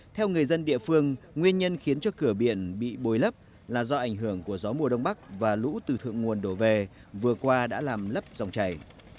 theo người dân địa phương nguyên nhân khiến cho cửa biển bị bồi lấp là do ảnh hưởng của gió mùa đông bắc và lũ từ thượng nguồn đổ về vừa qua đã làm lấp dòng chảy